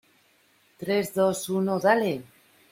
tres, dos , uno... ¡ dale!